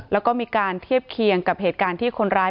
แล้วก็มีการเทียบเคียงกับเหตุการณ์ที่คนร้าย